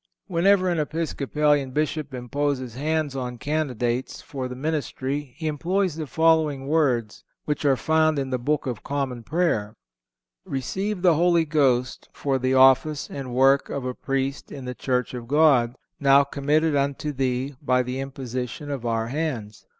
Whenever an Episcopalian Bishop imposes hands on candidates for the ministry he employs the following words, which are found in the Book of Common Prayer: "Receive the Holy Ghost for the office and work of a Priest in the Church of God, now committed unto thee by the imposition of our hands.